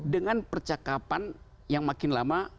dengan percakapan yang makin lama